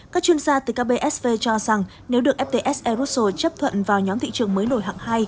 các chuyên gia từ kbsv cho rằng nếu được ftse russell chấp thuận vào nhóm thị trường mới nổi hạng hai